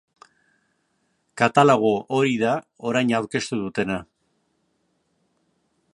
Katalogo hori da orain aurkeztu dena.